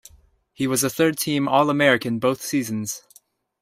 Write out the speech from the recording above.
He was a third team All American both seasons.